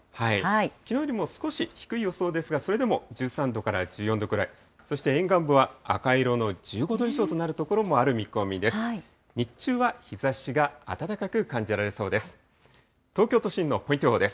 きのうよりも少し低い予想ですが、それでも１３度から１４度くらい、そして沿岸部は赤色の１５度以上となる所もある見込みです。